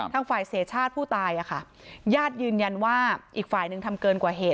ทางฝ่ายเสียชาติผู้ตายญาติยืนยันว่าอีกฝ่ายหนึ่งทำเกินกว่าเหตุ